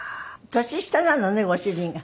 年下なのねご主人が。